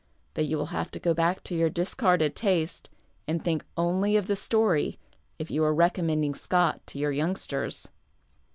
But you will have to go back to your dis carded taste and think only of the story if you are recommending Scott to your youngsters.